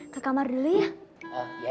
ke kamar dulu ya